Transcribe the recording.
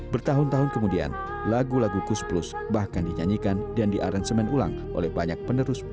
bertahun tahun kemudian lagu lagu kus plus bahkan dinyanyikan dan di aransemen ulang oleh banyak penerus